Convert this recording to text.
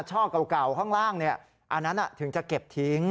ช่อเก่าข้างล่างอันนั้นถึงจะเก็บทิ้ง